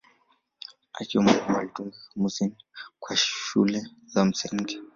Akiwa mwalimu alitunga kamusi kwa shule za msingi.